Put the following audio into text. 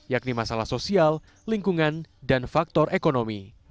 yakni masalah sosial lingkungan dan faktor ekonomi